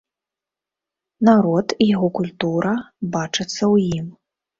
Народ і яго культура бачацца ў ім.